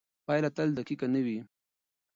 پایله تل دقیقه نه وي.